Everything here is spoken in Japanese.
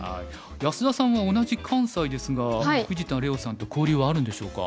安田さんは同じ関西ですが藤田怜央さんと交流はあるんでしょうか？